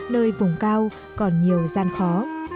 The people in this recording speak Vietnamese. nơi vùng cao còn nhiều gian khó